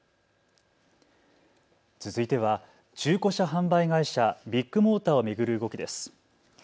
続いては中古車販売会社ビッグモーターを巡る動きです。